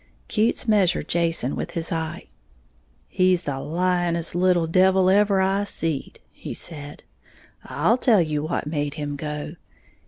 Keats measured Jason with his eye. "He's the lyin'est little devil ever I seed," he said; "I'll tell you what made him go.